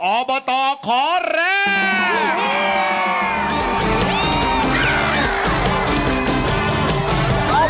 โอบอตตอมหาสนุก